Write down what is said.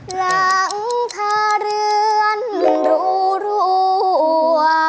หลังคาเรือนรูรั่ว